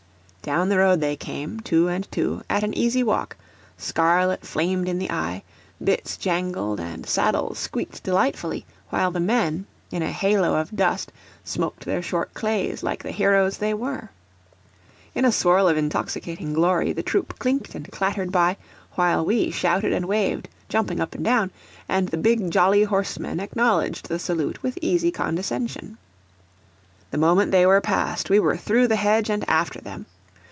Down the road they came, two and two, at an easy walk; scarlet flamed in the eye, bits jingled and saddles squeaked delightfully; while the men, in a halo of dust, smoked their short clays like the heroes they were. In a swirl of intoxicating glory the troop clinked and clattered by, while we shouted and waved, jumping up and down, and the big jolly horsemen acknowledged the salute with easy condescension. The moment they were past we were through the hedge and after them.